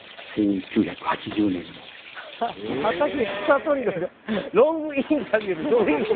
「畑草取りロングインタビュー」ってどういう意味。